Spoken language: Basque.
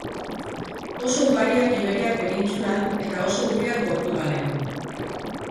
Oso ugariak iberiar penintsulan, eta oso urriak Portugalen.